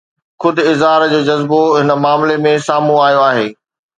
خود اظهار جو جذبو هن معاملي ۾ سامهون آيو آهي